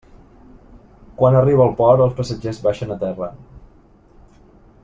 Quan arriba al port, els passatgers baixen a terra.